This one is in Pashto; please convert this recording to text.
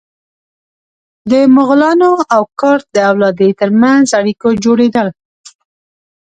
د مغولانو او کرت د اولادې تر منځ اړیکو جوړېدل.